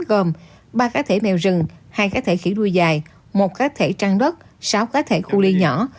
gồm ba cá thể mèo rừng hai cá thể khỉ đuôi dài một cá thể trang đất sáu cá thể khu ly nhỏ